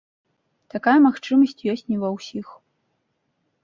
Такая магчымасць ёсць не ва ўсіх.